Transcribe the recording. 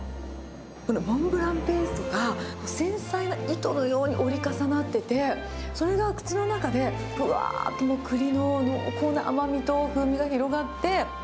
モンブランペーストが、繊細な糸のように折り重なってて、それが口の中でふわーっと、栗の濃厚な甘みと風味が広がって。